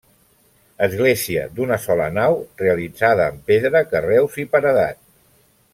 Església d'una sola nau, realitzada amb pedra, carreus i paredat.